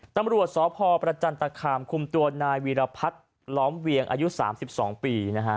ตำรวจสพประจันตคามคุมตัวนายวีรพัฒน์ล้อมเวียงอายุ๓๒ปีนะฮะ